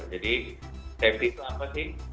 jadi safety itu apa sih